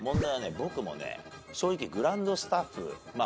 僕もね正直グランドスタッフまあ